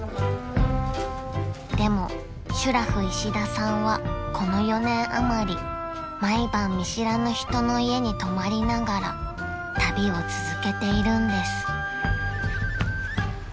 ［でもシュラフ石田さんはこの４年余り毎晩見知らぬ人の家に泊まりながら旅を続けているんです］